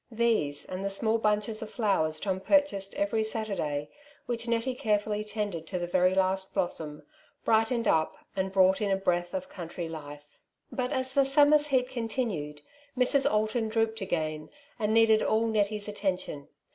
These and the small bunches of flowers Tom pur chased every Saturday, which Nettie carefully tended to the very last blossom, brightened up, and brought in a breath of country life. 76 " Two Sides to every Question^ But as the summer^s heat continued, Mrs. Alton drooped again, and needed all Nettie's attention.